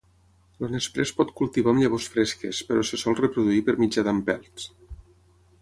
El nesprer es pot cultivar amb llavors fresques però se sol reproduir per mitjà d'empelts.